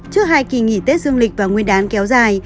trước hai kỳ nghỉ tết dương lịch và nguyên đán kéo dài